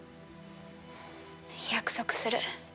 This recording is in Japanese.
約束する。